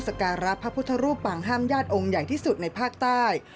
สการะพระพุทธรูปังห้ามญาติองค์อย่างที่สุดในภาคใต้